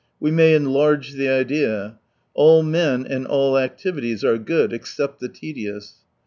We may en large the. idea. All men and all activities are good, except the tedious.